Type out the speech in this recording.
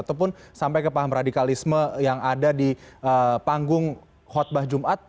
ataupun sampai ke paham radikalisme yang ada di panggung khutbah jumat